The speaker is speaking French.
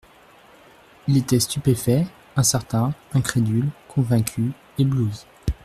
Il était stupéfait, incertain, incrédule, convaincu, ébloui.